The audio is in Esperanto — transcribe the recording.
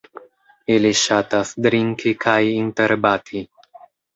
Ili ŝatas drinki kaj interbati.